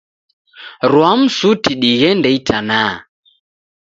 Rwa msuti dighende itanaha.